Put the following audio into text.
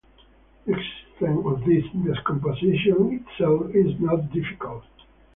The existence of this decomposition itself is not difficult.